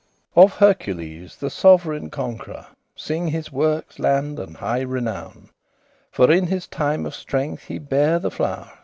Of HERCULES the sov'reign conquerour Singe his workes' land and high renown; For in his time of strength he bare the flow'r.